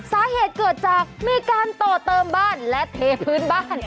สาเหตุเกิดจากมีการต่อเติมบ้านและเทพื้นบ้าน